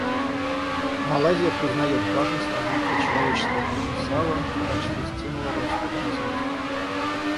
Малайзия признает важность развития человеческого потенциала в качестве стимула роста и развития.